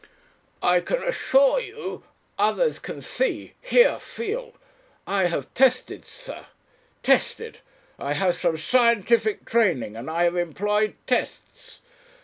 "I can assure you ... others can see, hear, feel. I have tested, sir. Tested! I have some scientific training and I have employed tests.